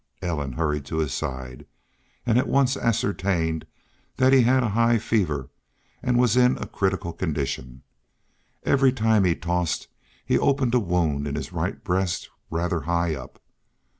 Ellen hurried to his side and at once ascertained that he had a high fever and was in a critical condition. Every time he tossed he opened a wound in his right breast, rather high up.